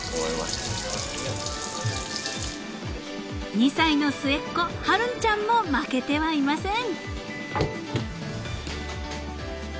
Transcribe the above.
［２歳の末っ子春音ちゃんも負けてはいません］